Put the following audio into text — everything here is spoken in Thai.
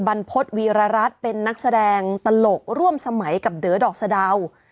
บรรพฤษวีรรัฐเป็นนักแสดงตลกร่วมสมัยกับเด๋อดอกสะดาว